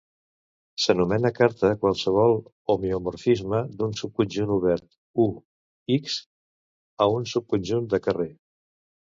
S'anomena carta qualsevol homeomorfisme d'un subconjunt obert "U"?"X" a un subconjunt de carrer.